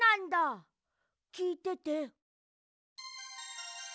きいてて。